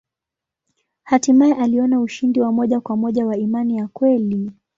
Hatimaye aliona ushindi wa moja kwa moja wa imani ya kweli.